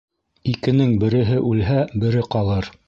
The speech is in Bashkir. Икенең береһе үлһә, бере ҡалыр;